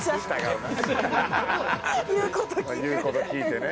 言う事聞いてね。